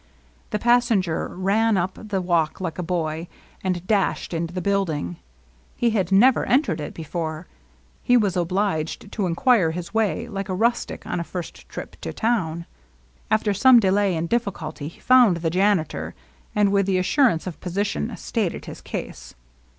The passenger ran up the walk like a boy, and dashed into the building. He had never entered it before. He was obliged to inquire his way, like a rustic on a first trip to town. After some delay and difi&culty he found the janitor, and, with the assur ance of position, stated his case.